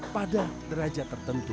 pada derajat tertentu